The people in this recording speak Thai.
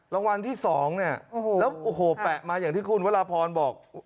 รางวัลที่๒เนี่ยแล้วโอ้โหแปะมาอย่างที่คุณวรพรบอก